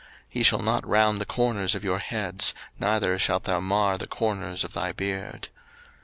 03:019:027 Ye shall not round the corners of your heads, neither shalt thou mar the corners of thy beard.